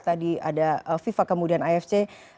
tadi ada fifa kemudian afc